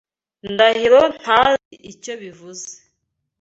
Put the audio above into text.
Ndahiro ntazi icyo bivuze.